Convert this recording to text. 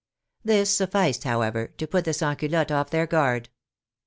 This sufficed, however, to put the Sansculottes off their guard.